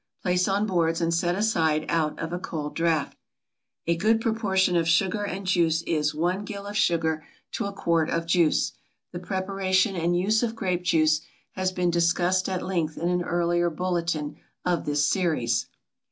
Place on boards and set aside out of a cold draft. A good proportion of sugar and juice is 1 gill of sugar to a quart of juice. The preparation and use of grape juice has been discussed at length in an earlier bulletin of this series.